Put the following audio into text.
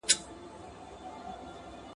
• مځکه ئې سره کړه، د پلانۍ ئې پر شپه کړه.